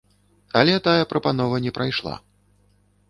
Але тая прапанова не прайшла.